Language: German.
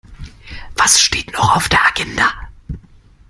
Was steht noch auf der Agenda?